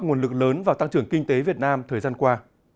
nguồn lực lớn vào tăng trưởng kinh tế việt nam thời gian qua